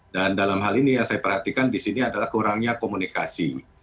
dan dalam hal ini yang saya perhatikan di sini adalah kurangnya komunikasi